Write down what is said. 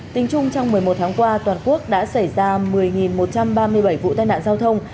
tính chung trong một mươi một tháng qua toàn quốc đã xảy ra một mươi một trăm ba mươi bảy vụ tai nạn giao thông